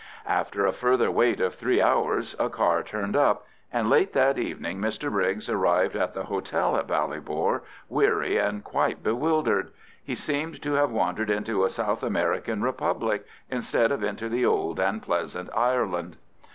After a further wait of three hours a car turned up, and late that evening Mr Briggs arrived at the hotel at Ballybor, weary and quite bewildered. He seemed to have wandered into a South American republic instead of into the old and pleasant Ireland.